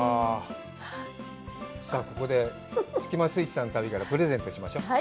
さあ、ここでスキマスイッチさんの旅からプレゼントしましょう。